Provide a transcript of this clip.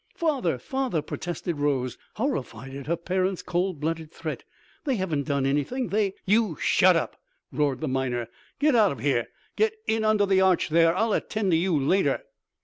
"Father, father," protested Rose, horrified at her parent's cold blooded threat. "They haven't done anything. They " "You shut up!" roared the miner. "Get out of here! Get in under the arch there! I'll attend to you later!"